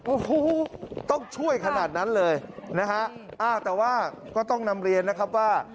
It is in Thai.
โอ้โหต้องช่วยขนาดนั้นเลยนะฮะอ้าวแต่ว่าก็ต้องนำเรียนนะครับว่า